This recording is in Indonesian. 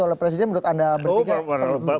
oleh presiden menurut anda bertiga